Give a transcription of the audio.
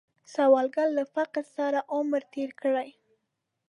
سوالګر له فقر سره عمر تیر کړی